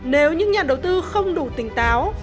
nếu những nhà đầu tư không đủ tỉnh táo